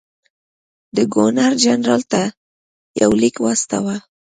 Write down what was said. ده ګورنرجنرال ته یو لیک واستاوه.